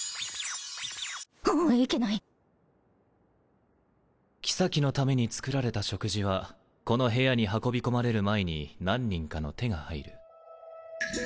んいけない妃のために作られた食事はこの部屋に運び込まれる前に何人かの手が入る。